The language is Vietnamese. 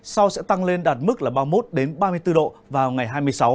sau sẽ tăng lên đạt mức là ba mươi một ba mươi bốn độ vào ngày hai mươi sáu